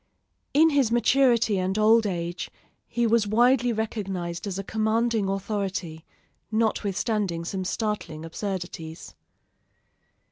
In his maturity and old age he was widely recognized as a commanding authority, notwithstanding some startling absurdities.